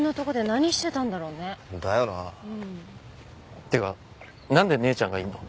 っていうかなんで姉ちゃんがいんの？